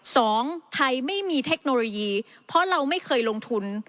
สองไทยไม่มีเทคโนโลยีเพราะเราไม่เคยลงทุน